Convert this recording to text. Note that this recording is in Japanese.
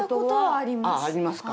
ああ、ありますか。